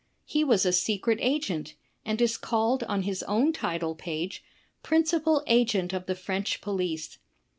He was a Secret Agent, and is called on his own title page, Prin cipal Agent of the French Police.